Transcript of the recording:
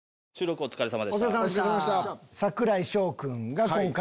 お疲れさまでした。